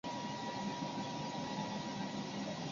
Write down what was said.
库德人在过去常担任雇佣兵和骑射手。